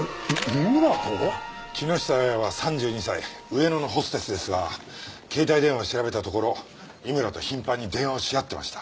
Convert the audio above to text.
木下亜矢は３２歳上野のホステスですが携帯電話を調べたところ井村と頻繁に電話をし合ってました。